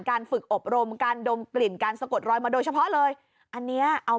การฝึกอบรมการดมกลิ่นการสะกดรอยมาโดยเฉพาะเลยอันเนี้ยเอา